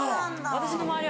私の周り